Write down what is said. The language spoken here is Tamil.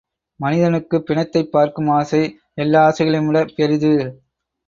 மனிதனுக்குப் பிணத்தைப் பார்க்கும் ஆசை, எல்லா ஆசைகளையும் விடப் பெரிது.